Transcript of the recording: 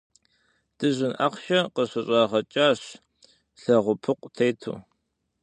Дыжьын ахъшэ къыщыщӏагъэкӏащ лэгъупыкъу тету.